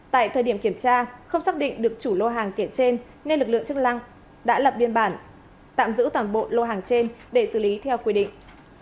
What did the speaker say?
tại thời điểm kiểm tra không xác định được chủ lô hàng kể trên nên lực lượng chức năng đã lập biên bản tạm giữ toàn bộ lô hàng trên để xử lý theo quy định